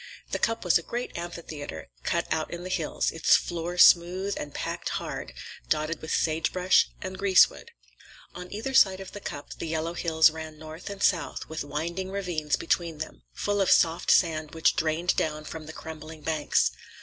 The Cup was a great amphitheater, cut out in the hills, its floor smooth and packed hard, dotted with sagebrush and greasewood. On either side of the Cup the yellow hills ran north and south, with winding ravines between them, full of soft sand which drained down from the crumbling banks.